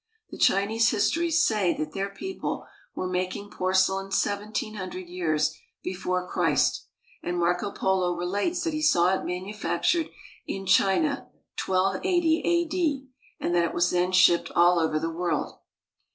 The Chinese histories say that their people were making porcelain seventeen hundred years before Christ ; and Marco Polo relates that he saw it manufactured in China 1280 a.d., and that it was then shipped all over the world.